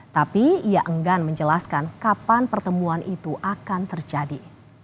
tapi ia enggan menjelaskan kapan pertemuan itu akan terjadi